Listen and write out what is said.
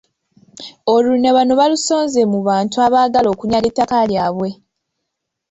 Olunwe bano baalusonze mu bantu abaagala okunyaga ettaka lyabwe.